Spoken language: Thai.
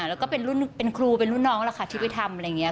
แล้วก็เป็นครูเป็นรุ่นน้องแหละค่ะที่ไปทำ